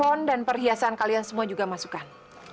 comer evolver hingga ber mulai bengkel